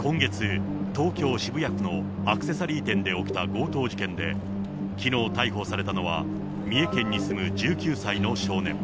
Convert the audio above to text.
今月、東京・渋谷区のアクセサリー店で起きた強盗事件で、きのう逮捕されたのは、三重県に住む１９歳の少年。